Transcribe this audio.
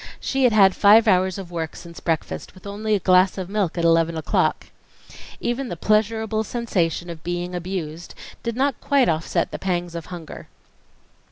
She had had five hours of work since breakfast, with only a glass of milk at eleven o'clock. Even the pleasurable sensation of being abused did not quite offset the pangs of hunger.